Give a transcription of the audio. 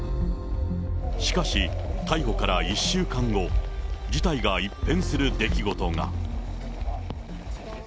しかし、逮捕から１週間後、事態が一変する出来事が。